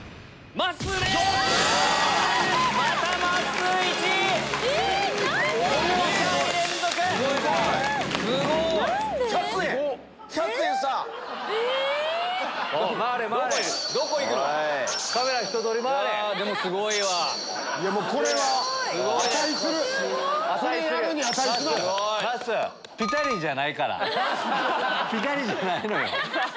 まっすー！ピタリじゃないのよ。